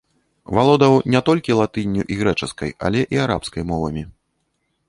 Валодаў не толькі латынню і грэчаскай, але і арабскай мовамі.